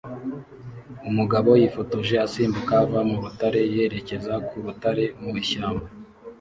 Umugabo yifotoje asimbuka ava mu rutare yerekeza ku rutare mu ishyamba